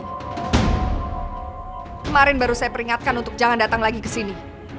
kemarin baru saya peringatkan untuk jangan datang lagi kesini